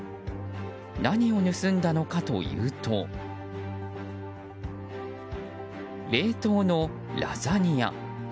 何を盗んだのかというと冷凍のラザニア。